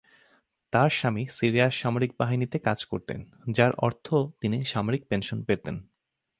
তার স্বামী সিরিয়ার সামরিক বাহিনীতে কাজ করতেন, যার অর্থ তিনি সামরিক পেনশন পেতেন।